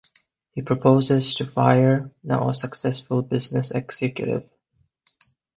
He proposes to Fire, now a successful business executive.